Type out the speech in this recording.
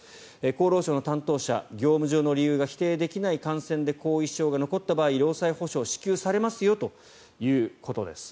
厚労省の担当者業務上の理由が否定できない感染で後遺症が残った場合労災補償支給されますよということです。